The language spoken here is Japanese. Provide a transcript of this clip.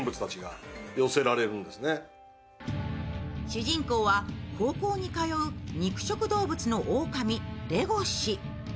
主人公は高校に通う肉食動物のオオカミ、レゴシ。